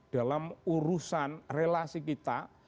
dalam urusan relasi kita